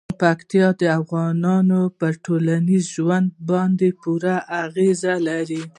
پکتیکا د افغانانو په ټولنیز ژوند باندې پوره اغېز لري.